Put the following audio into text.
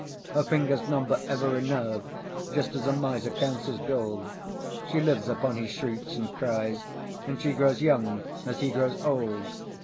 Her fingers number every nerve, Just as a miser counts his gold; She lives upon his shrieks and cries, And she grows young as he grows old.